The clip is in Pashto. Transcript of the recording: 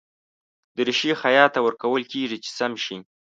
دریشي خیاط ته ورکول کېږي چې سم شي.